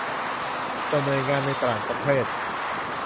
ส่วนหน่วยงานในต่างประเทศ